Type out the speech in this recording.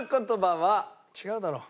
違うだろ。